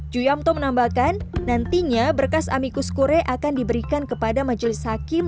ju yamto menambahkan nantinya berkas amikus kure akan diberikan kepada majelis hakim